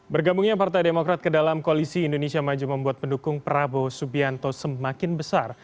bergabungnya partai demokrat ke dalam koalisi indonesia maju membuat pendukung prabowo subianto semakin besar